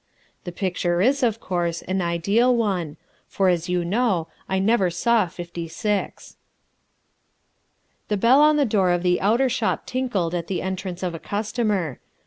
The picture is, of course, an ideal one, for, as you know, I never saw Fifty Six." The bell on the door of the outer shop tinkled at the entrance of a customer.